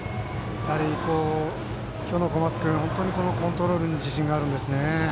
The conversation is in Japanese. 今日の小松君、コントロールに自信があるんですね。